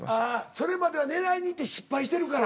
それまでは狙いにいって失敗してるから。